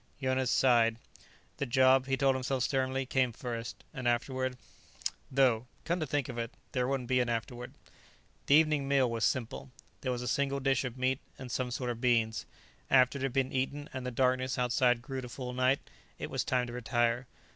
Jonas sighed. The job, he told himself sternly, came first. And afterward Though, come to think of it, there wouldn't be an afterward. The evening meal was simple. There was a single dish of meat and some sort of beans; after it had been eaten, and the darkness outside grew to full night, it was time to retire.